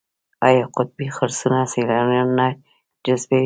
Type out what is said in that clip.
آیا قطبي خرسونه سیلانیان نه جذبوي؟